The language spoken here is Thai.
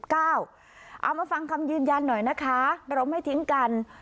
เอามาฟังคำยืนยันหน่อยนะคะเราไม่ทิ้งกัน